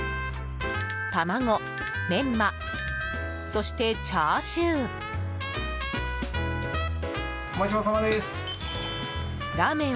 卵、メンマそして、チャーシュー。